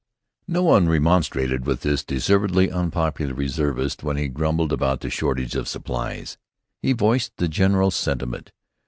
No one remonstrated with this deservedly unpopular reservist when he grumbled about the shortage of supplies. He voiced the general sentiment.